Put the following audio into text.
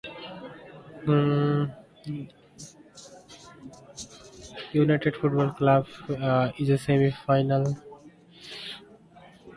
Maidenhead United Football Club is a semi-professional English football club in Maidenhead, Berkshire.